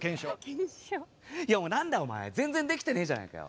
いやもうなんだお前全然できてねえじゃねえかよ。